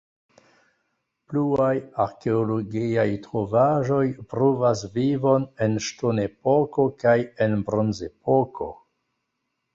Pluaj arkeologiaj trovaĵoj pruvas vivon en ŝtonepoko kaj en bronzepoko.